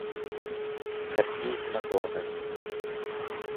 هەرگیز مەگۆڕێ.